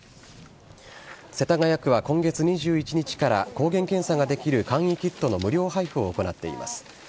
世田谷区は今月２１日から、抗原検査ができる簡易キットの無料配布を行っています。